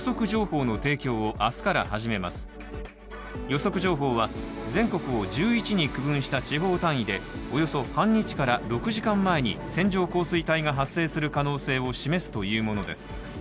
予測情報は、全国を１１に区分した地方単位でおよそ半日から６時間前に線状降水帯が発生する可能性を示すというものです。